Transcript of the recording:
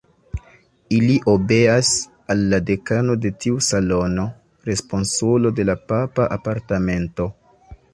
Ili obeas al la dekano de tiu salono, responsulo de la papa apartamento.